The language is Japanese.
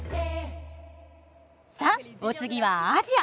さっお次はアジア。